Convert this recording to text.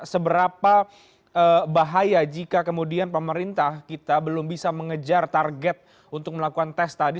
seberapa bahaya jika kemudian pemerintah kita belum bisa mengejar target untuk melakukan tes tadi